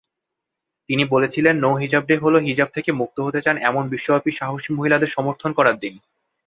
তিনি বলেছিলেন: "no hijab day" হলো হিজাব থেকে মুক্ত হতে চান এমন বিশ্বব্যাপী সাহসী মহিলাদের সমর্থন করার দিন।